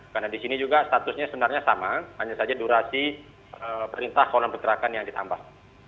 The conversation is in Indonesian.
karena di sini juga statusnya sebenarnya sama hanya saja durasi perintah kolam pergerakan yang ditambah